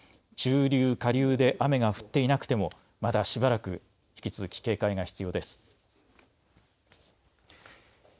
中流、下流で雨が降っていなくてもまだしばらく引き続き警戒が必要です。